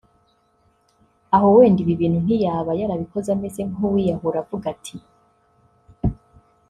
aho wenda ibi bintu ntiyaba yarabikoze ameze nk’ uwiyahura avuga ati